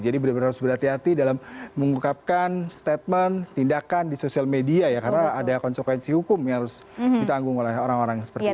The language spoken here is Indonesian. jadi benar benar harus berhati hati dalam mengungkapkan statement tindakan di sosial media ya karena ada konsekuensi hukum yang harus ditanggung oleh orang orang seperti ini